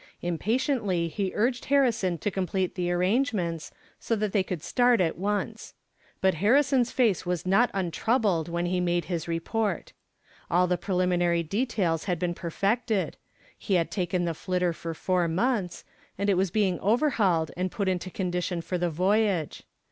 Impatiently he urged Harrison to complete the arrangements, so that they could start at once. But Harrison's face was not untroubled when he made his report. All the preliminary details had been perfected. He had taken the "Flitter" for four months, and it was being overhauled and put into condition for the voyage.